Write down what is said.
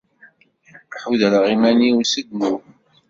Ḥudreɣ iman-iw si ddnub.